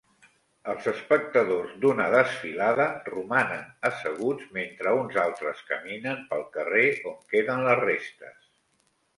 Els espectadors d'una desfilada romanen asseguts mentre uns altres caminen pel carrer on queden les restes.